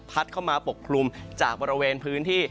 เข้ามาปกคลุมจากบริเวณพื้นที่